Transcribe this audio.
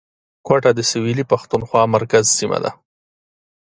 کوټه د سویلي پښتونخوا مرکز سیمه ده